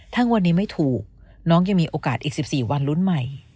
ถ้าวันนี้ไม่ถูกน้องยังมีโอกาสอีก๑๔วันลุ้นใหม่